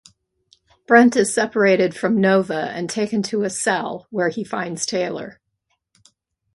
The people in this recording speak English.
Brent is separated from Nova and taken to a cell, where he finds Taylor.